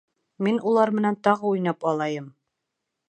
Мин улар менән тағы уйнап алайым.